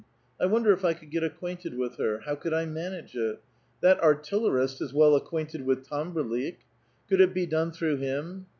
I wonder if I could get acquainted with her. How could I manage it ? That artillerist is well acquainted with Tamberlik.^ Could it be done through him